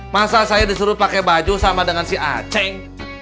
masa saya disuruh pake baju sama dengan si aceng